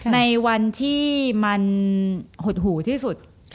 ในวันที่มันหดหูที่สุด